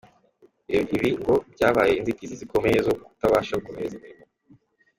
Ibi ngo byabaye inzitizi zikomeye zo kutabasha gukomeza imirimo.